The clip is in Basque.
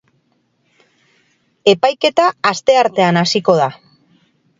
Epaiketa asteartean hasiko da.